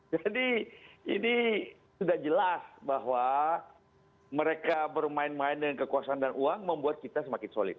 jadi ini sudah jelas bahwa mereka bermain main dengan kekuasaan dan uang membuat kita semakin solid